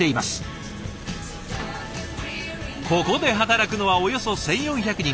ここで働くのはおよそ１，４００人。